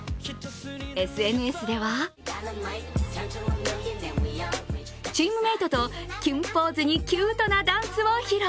ＳＮＳではチームメートとキュンポーズにキュートなダンスを披露。